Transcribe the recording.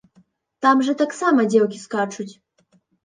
Там жа таксама дзеўкі скачуць!